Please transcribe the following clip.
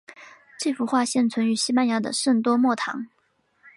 这幅画现存于西班牙的圣多默堂。